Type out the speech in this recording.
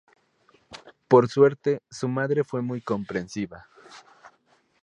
Por suerte, su madre fue muy comprensiva.